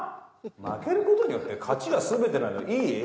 負けることによって勝ちが全てなのいい？